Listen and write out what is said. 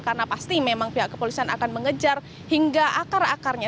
karena pasti memang pihak kepolisian akan mengejar hingga akar akarnya